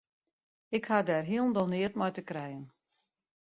Ik ha dêr hielendal neat mei te krijen.